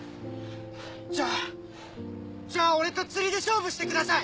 じゃあじゃあ俺と釣りで勝負してください。